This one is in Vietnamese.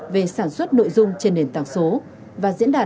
về sản xuất nội dung trên nền tảng số